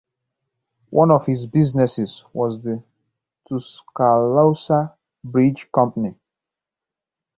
One of his businesses was the Tuscaloosa Bridge Company.